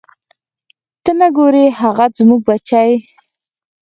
ته نه ګورې هغه زموږ بچی.